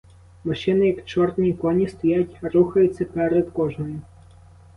Машини, як чорні коні, стоять, рухаються перед кожною.